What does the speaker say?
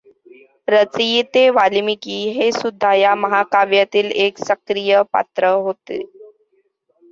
रचयिते वाल्मीकी हे सुद्धा या महाकाव्यातील एक सक्रिय पात्र होते.